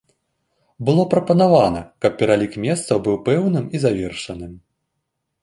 Было прапанавана, каб пералік месцаў быў пэўным і завершаным.